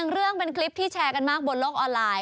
เรื่องเป็นคลิปที่แชร์กันมากบนโลกออนไลน์